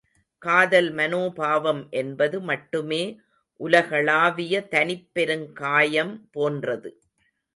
காதல் மனோபாவம் என்பது மட்டுமே உலகளாவிய தனிப் பெருங்காயம் போன்றது.